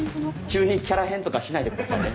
急にキャラ変とかしないで下さいね。